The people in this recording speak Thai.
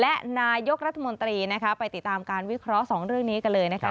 และนายกรัฐมนตรีนะคะไปติดตามการวิเคราะห์สองเรื่องนี้กันเลยนะคะ